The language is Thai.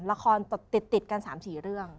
ละครติดกัน๓๔เรื่อง